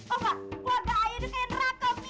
oh enggak wadah ayah dia kayak neraka mi